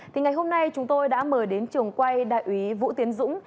thì ngày hôm nay chúng tôi đã mời đến trường quay đại úy vũ tiến dũng